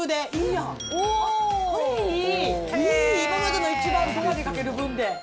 今までの一番、ドアにかける部分で。